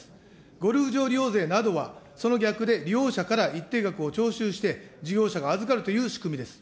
ゴルフ場利用税などはその逆で、利用者から一定額を東って、一定額を預かって、預かるいう仕組みです。